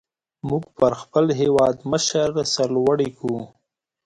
موږ پر خپل هېوادمشر سر لوړي کو.